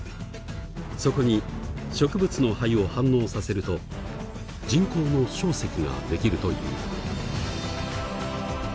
そこに植物の灰を反応させると人工の硝石ができるという。